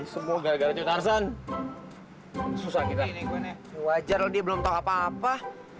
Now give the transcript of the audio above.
semoga susah wajar dia belum tahu apa apa